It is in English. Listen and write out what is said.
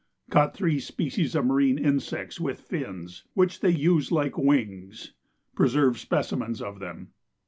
Caught three species of marine insects with fins, which they use like wings: preserved specimens of them.